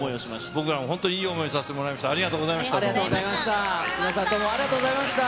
僕らも本当にいい思いをさせてもらいました。